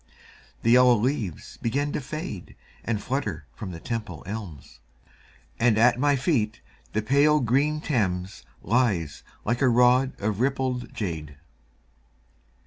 The yellow leaves begin to fade And flutter from the Temple elms, And at my feet the pale green Thames Lies like a rod of rippled jade.